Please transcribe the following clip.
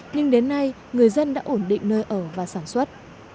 nhưng đến nay người dân đã ổn định nơi ở và sản xuất